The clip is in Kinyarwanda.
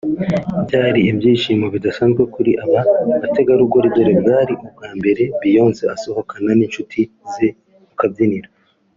Byari ibyishimo bidasanzwe kuri aba bategarugori dore bwari ubwa mbere Beyonce asohokana n’inshuti ze mu kabyiniro